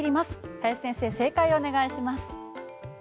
林先生、正解をお願いします。